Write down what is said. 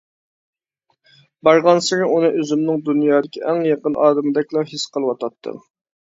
بارغانسېرى ئۇنى ئۆزۈمنىڭ دۇنيادىكى ئەڭ يېقىن ئادىمىدەكلا ھېس قىلىۋاتاتتىم.